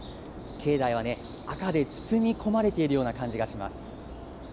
境内は赤で包み込まれてるような感じがします。